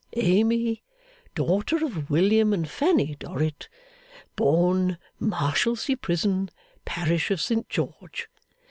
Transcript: Amy, daughter of William and Fanny Dorrit. Born, Marshalsea Prison, Parish of St George.